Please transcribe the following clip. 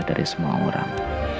dari semua orang